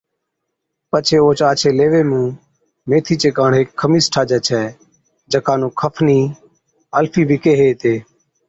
پڇي اوھچ آڇي ليوي مُون ميٿِي چي ڪاڻ ھيڪ خمِيس ٺاھجَي ڇَي جڪا نُون کفنِي/ الفِي بِي ڪيھي ھِتي